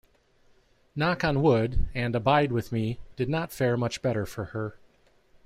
"Knock on Wood" and "Abide With Me" did not fare much better for her.